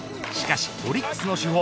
しかしオリックスの主砲